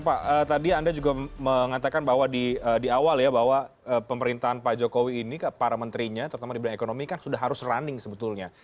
pak tadi anda juga mengatakan bahwa di awal ya bahwa pemerintahan pak jokowi ini para menterinya terutama di bidang ekonomi kan sudah harus running sebetulnya